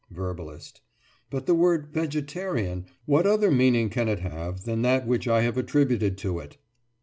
VERBALIST: But the word "vegetarian"—what other meaning can it have than that which I have attributed to it?